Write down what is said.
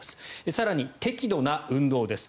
更に適度な運動です。